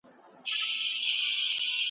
هغه کال وه ناغه سوي بارانونه `